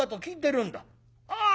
「ああ！